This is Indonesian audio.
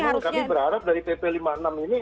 harusnya memang kami berharap dari pp lima enam ini